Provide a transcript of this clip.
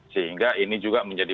sehingga ini juga menjadi